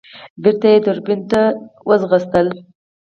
بېرته يې دوربين ته منډه کړه.